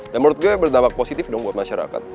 dan menurut gue berdampak positif dong buat masyarakat